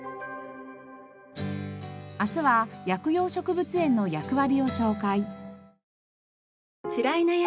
明日は薬用植物園の役割を紹介。